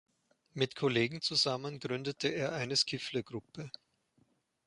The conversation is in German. Mit Kollegen zusammen gründete er eine Skiffle-Gruppe.